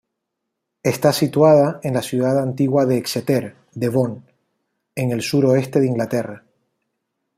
Está situada en la ciudad antigua de Exeter, Devon, en el sur-oeste de Inglaterra.